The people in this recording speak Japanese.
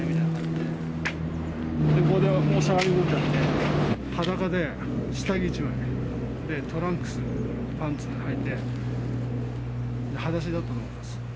またここでしゃがみ込んじゃって、裸で下着１枚、トランクスのパンツはいて、はだしだったと思います。